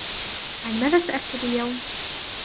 عن ماذا سأكتب اليوم ؟